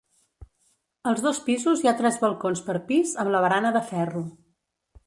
Als dos pisos hi ha tres balcons per pis amb la barana de ferro.